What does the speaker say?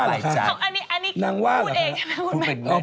อ๋ออันนี้อันนี้นางว่าหรอค่ะพูดเองใช่ไหมพูดแบบนี้หน่อย